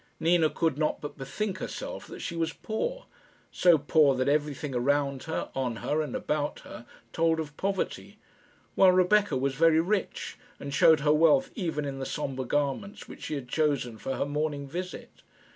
Nina could not but bethink herself that she was poor so poor that everything around her, on her, and about her, told of poverty; while Rebecca was very rich, and showed her wealth even in the sombre garments which she had chosen for her morning visit.